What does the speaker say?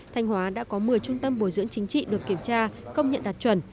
thanh hóa đã có một mươi trung tâm bồi dưỡng chính trị được kiểm tra công nhận đạt chuẩn